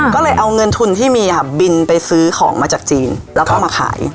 ก็เลยเอาเงินทุนที่มีค่ะบินไปซื้อของมาจากจีนแล้วก็มาขาย